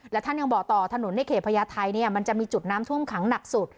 และท่านยังบอกต่อถนนในเขตพญาไทยมันจะมีจุดน้ำท่วมขังหนักสุด